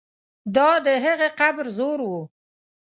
دا د هغه قبر زور وو.